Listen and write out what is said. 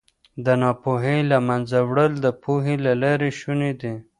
د ناپوهۍ له منځه وړل د پوهې له لارې شوني دي.